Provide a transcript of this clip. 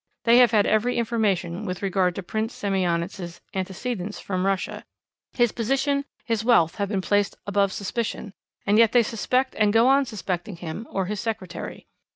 They have had every information with regard to Prince Semionicz's antecedents from Russia; his position, his wealth, have been placed above suspicion, and yet they suspect and go on suspecting him or his secretary.